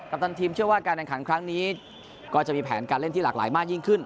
ตันทีมเชื่อว่าการแข่งขันครั้งนี้ก็จะมีแผนการเล่นที่หลากหลายมากยิ่งขึ้น